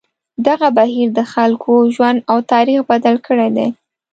دغه بهیر د خلکو ژوند او تاریخ بدل کړی دی.